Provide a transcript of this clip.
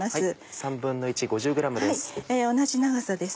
１／３５０ｇです。